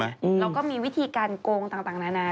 แล้วก็มีวิธีการโกงต่างนานา